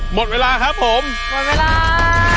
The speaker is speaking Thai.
หมดเวลาครับผมหมดเวลา